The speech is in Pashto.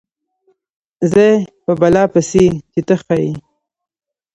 ځای په بلا پسې چې ته ښه یې.